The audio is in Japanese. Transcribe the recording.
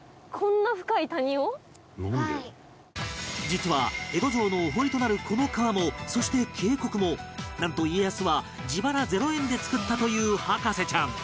実は江戸城のお堀となるこの川もそして渓谷もなんと家康は自腹０円で造ったと言う博士ちゃん